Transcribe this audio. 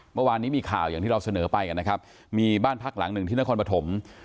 เมื่อวานนี้มีข่าวอย่างที่เราเสนอไปกันนะครับมีบ้านพักหลังหนึ่งที่นครปฐม